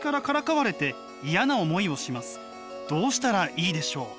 「どうしたらいいでしょう？」。